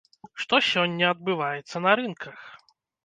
Што сёння адбываецца на рынках?